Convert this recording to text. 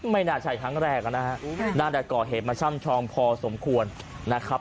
ไม่น่าใช่ครั้งแรกนะฮะน่าจะก่อเหตุมาช่ำชองพอสมควรนะครับ